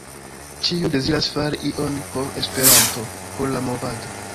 Ĉiuj deziras fari ion por Esperanto, por la movado.